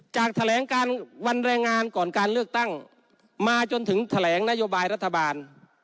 แถลงการวันแรงงานก่อนการเลือกตั้งมาจนถึงแถลงนโยบายรัฐบาล